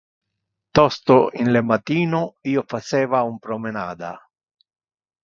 Tosto in le matino io faceva un promenada.